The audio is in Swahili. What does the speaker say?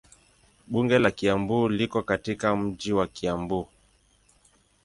Bunge la Kiambu liko katika mji wa Kiambu.